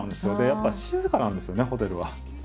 やっぱ静かなんですよねホテルは。